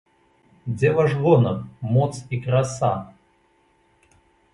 Дзе ваш гонар, моц і краса?